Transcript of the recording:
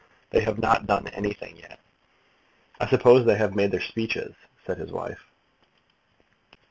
"They have not done anything yet." "I suppose they have made their speeches?" said his wife.